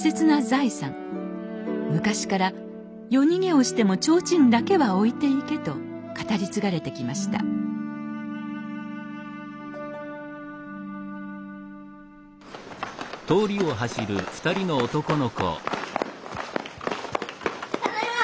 昔から「夜逃げをしても提灯だけは置いていけ」と語り継がれてきましたただいま！